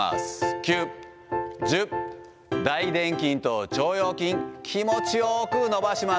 ９、１０、大殿筋と腸腰筋、気持ちよく伸ばします。